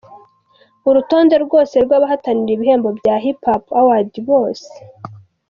Urutonde rwose rw’abahatanira ibihembo bya Hipipo Awards bose.